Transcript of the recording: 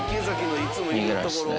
逃げないっすね。